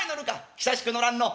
久しく乗らんの。